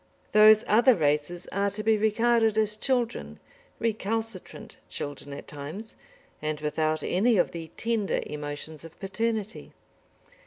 Those other races are to be regarded as children, recalcitrant children at times, and without any of the tender emotions of paternity.